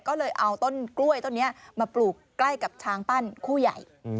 ก็เลยเอาต้นกล้วยต้นนี้มาปลูกใกล้กับช้างปั้นคู่ใหญ่